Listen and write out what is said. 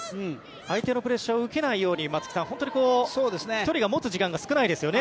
相手のプレッシャーを受けないように１人が持つ時間が少ないですよね。